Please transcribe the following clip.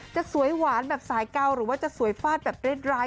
จะสวยหวานแบบสายเก่าหรือว่าจะสวยฟาดแบบเรียดร้าย